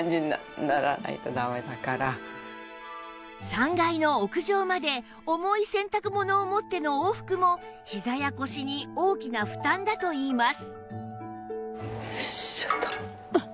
３階の屋上まで重い洗濯物を持っての往復もひざや腰に大きな負担だといいます